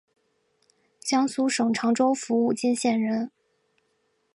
江苏省常州府武进县人。